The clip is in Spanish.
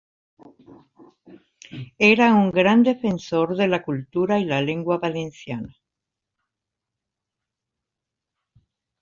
Era un gran defensor de la cultura y la lengua valenciana.